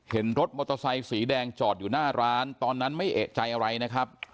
รถมอเตอร์ไซสีแดงจอดอยู่หน้าร้านตอนนั้นไม่เอกใจอะไรนะครับ